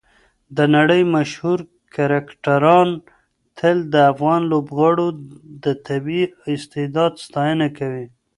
د نړۍ مشهور کرکټران تل د افغان لوبغاړو د طبیعي استعداد ستاینه کوي.